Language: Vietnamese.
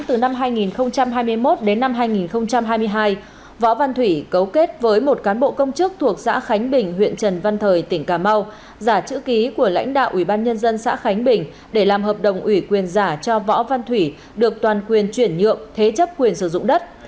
từ năm hai nghìn hai mươi một đến năm hai nghìn hai mươi hai võ văn thủy cấu kết với một cán bộ công chức thuộc xã khánh bình huyện trần văn thời tỉnh cà mau giả chữ ký của lãnh đạo ủy ban nhân dân xã khánh bình để làm hợp đồng ủy quyền giả cho võ văn thủy được toàn quyền chuyển nhượng thế chấp quyền sử dụng đất